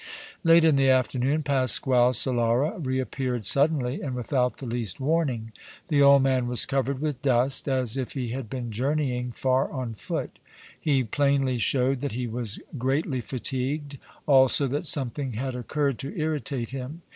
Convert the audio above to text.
Late in the afternoon Pasquale Solara reappeared suddenly and without the least warning. The old man was covered with dust, as if he had been journeying far on foot. He plainly showed that he was greatly fatigued, also that something had occurred to irritate him.